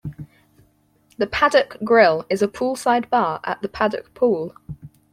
The Paddock Grill is a poolside bar at The Paddock Pool.